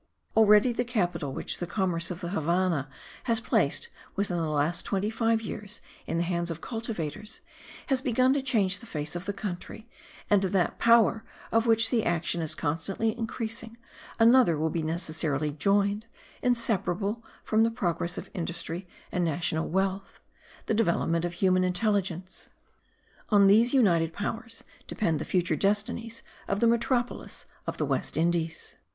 Already the capital which the commerce of the Havannah has placed within the last twenty five years in the hands of cultivators, has begun to change the face of the country; and to that power, of which the action is constantly increasing, another will be necessarily joined, inseparable from the progress of industry and national wealth the development of human intelligence. On these united powers depend the future destinies of the metropolis of the West Indies.